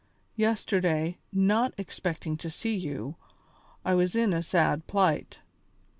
Yesterday, not expecting to see you, I was in a sad plight.